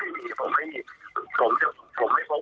ไม่มีผมไม่พกปืนติดตัวอยู่แล้วครับ